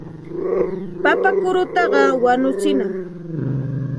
Papa kurutaqa wañuchinam.